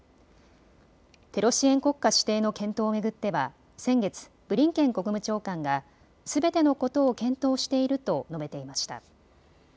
テロ支援国家指定の検討を巡っては先月、ブリンケン国務長官がすべてのことを検討していると述べていました。